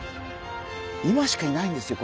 今しかいないんですよ